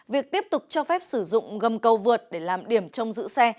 việc tiếp tục cho phép sử dụng gầm cầu vượt để làm điểm trông giữ xe